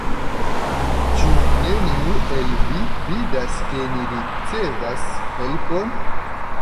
Ĉu neniu el vi vidas, ke ni ricevas helpon?